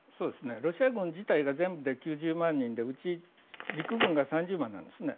ロシア軍自体が全部で９０万でうち陸軍が３０万なんですね。